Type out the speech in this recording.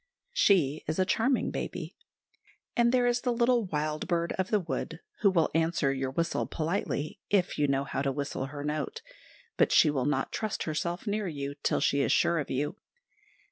She is a charming baby. And there is the little wild bird of the wood, who will answer your whistle politely, if you know how to whistle her note; but she will not trust herself near you till she is sure of you.